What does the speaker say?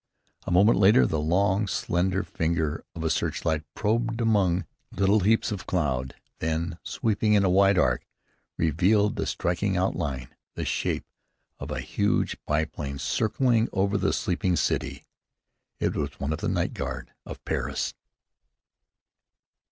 A moment later the long, slender finger of a searchlight probed among little heaps of cloud, then, sweeping in a wide arc, revealed in striking outline the shape of a huge biplane circling over the sleeping city. It was one of the night guard of Paris.